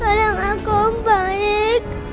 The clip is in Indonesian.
tolong aku om baik